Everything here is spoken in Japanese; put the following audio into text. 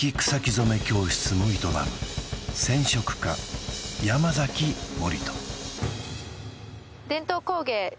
染め教室も営む染色家山崎杜